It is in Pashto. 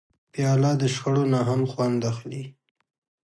پیاله د شخړو نه هم خوند اخلي.